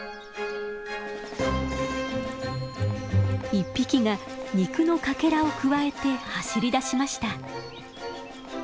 １匹が肉のかけらをくわえて走りだしました。